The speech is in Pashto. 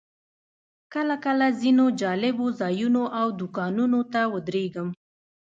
کله کله ځینو جالبو ځایونو او دوکانونو ته ودرېږم.